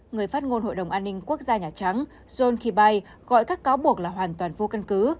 người phát ngôn hội đồng an ninh quốc gia nhà trắng john kibay gọi các cáo buộc là hoàn toàn vô căn cứ